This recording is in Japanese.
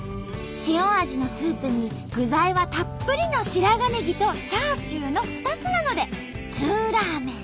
塩味のスープに具材はたっぷりの白髪ネギとチャーシューの２つなのでツーラーメン。